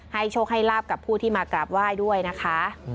โชคให้ลาบกับผู้ที่มากราบไหว้ด้วยนะคะ